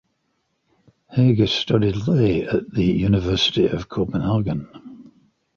Heger studied lay at the University of Copenhagen.